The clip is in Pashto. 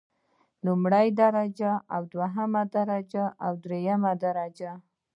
لومړۍ درجه او دوهمه درجه او دریمه درجه.